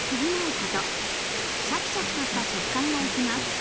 シャキシャキとした食感が生きます。